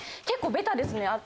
結構ベタですね。